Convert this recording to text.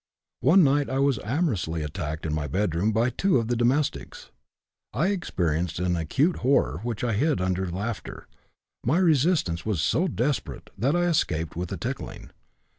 One night I was amorously attacked in my bedroom by two of the domestics. I experienced an acute horror which I hid under laughter; my resistance was so desperate that I escaped with a tickling.